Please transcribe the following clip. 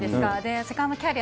セカンドキャリア、